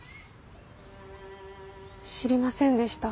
知りませんでした。